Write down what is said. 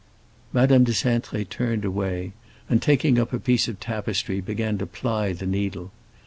Madame de Cintré turned away, and, taking up a piece of tapestry, began to ply the needle.